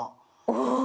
お！